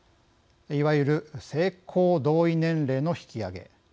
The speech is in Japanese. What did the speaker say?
いわゆる性交同意年齢の引き上げ。